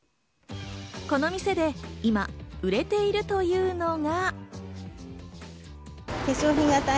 この店で今、売れているというのが。